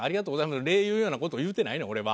礼言うような事を言うてないねん俺は。